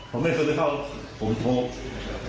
ผมไม่เคยไปเข้าผมโทร